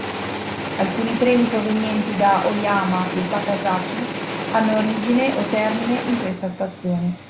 Alcuni treni provenienti da Oyama e Takasaki hanno origine o termine in questa stazione.